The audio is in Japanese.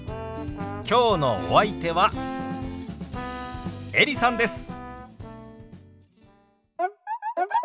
きょうのお相手はエリさんです。